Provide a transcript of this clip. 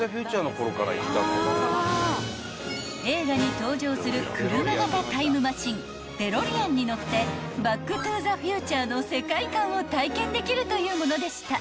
［映画に登場する車型タイムマシンデロリアンに乗って『バック・トゥ・ザ・フューチャー』の世界観を体験できるというものでした］